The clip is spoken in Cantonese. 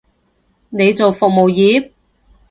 你做服務業？